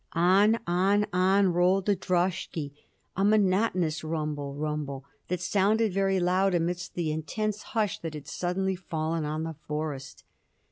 On, on, on rolled the droshky, a monotonous rumble, rumble, that sounded very loud amid the intense hush that had suddenly fallen on the forest.